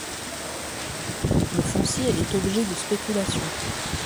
Le foncier est objet de spéculation.